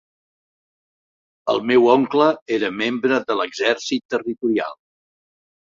El meu oncle era membre de l'Exèrcit territorial